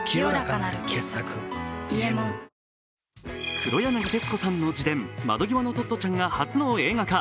黒柳徹子さんの自伝「窓際のトットちゃん」が初の映画化。